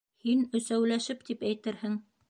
Һин «өсәүләшеп» тип әйтерһең.